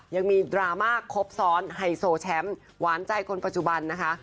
มีดราม่าครบซ้อนไฮโซแชมป์หวานใจคนปัจจุบันนะคะ